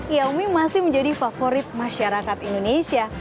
ya mie masih menjadi favorit masyarakat indonesia